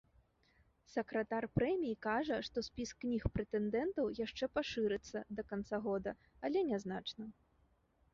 Сакратар прэміі кажа, што спіс кніг-прэтэндэнтаў яшчэ пашырыцца да канца года, але нязначна.